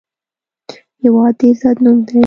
هېواد د عزت نوم دی.